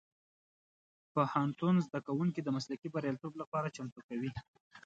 پوهنتون زدهکوونکي د مسلکي بریالیتوب لپاره چمتو کوي.